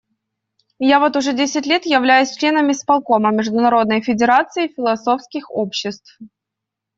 Я вот уже десять лет являюсь членом исполкома Международной федерации философских обществ.